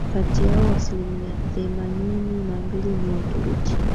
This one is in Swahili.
Kati yao asilimia themanini na mbili ni Waturuki